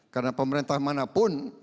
karena pemerintah manapun